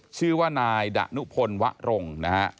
ชื่อว่านายดะนุพลวะรงนะฮะ